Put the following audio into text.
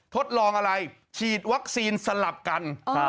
ทดลองอะไรฉีดวัคซีนสลับกัน